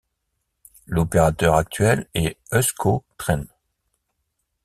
L'opérateur actuel est EuskoTren.